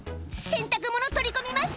洗濯物取り込みます！」。